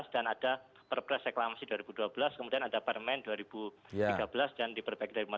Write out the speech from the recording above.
dan ada perpres reklamasi dua ribu dua belas kemudian ada permen dua ribu tiga belas dan di perpek dua ribu empat belas